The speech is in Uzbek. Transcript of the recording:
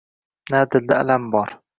Na dilda alam bor